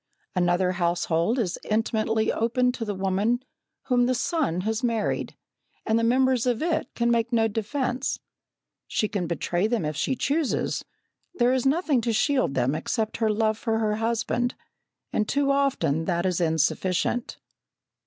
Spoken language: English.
Another household is intimately opened to the woman whom the son has married, and the members of it can make no defence. She can betray them if she chooses; there is nothing to shield them except her love for her husband, and too often that is insufficient.